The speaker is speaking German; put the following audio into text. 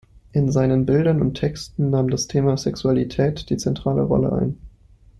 In seinen Bildern und Texten nahm das Thema Sexualität die zentrale Rolle ein.